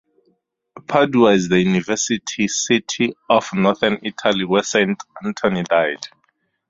Padua is the university city of northern Italy where Saint Anthony died.